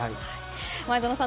前園さん